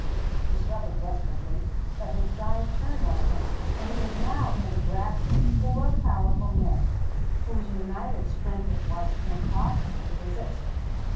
He struggled desperately: but his guide turned on him, and he was now in the grasp of four powerful men, whose united strength it was impossible to resist.